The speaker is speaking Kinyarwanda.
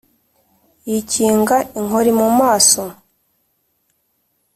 yikinga inkori mu maso